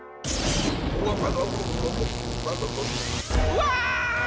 うわ！